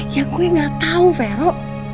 ya gue gak tau vero